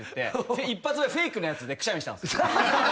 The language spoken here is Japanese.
一発目フェイクのやつでくしゃみしたんですよ。